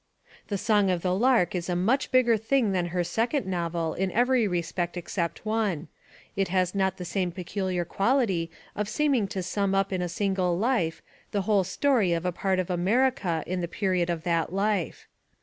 The Song of the Lark is a much bigger thing than her second novel in every respect except one it has not the same peculiar quality of seeming to sum up in a single life the whole history of a part of America in the period of that life.